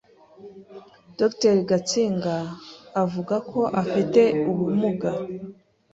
Dr Gatsinga avuga ko abafite ubumuga